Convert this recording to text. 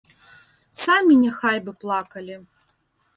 Самі няхай бы плакалі.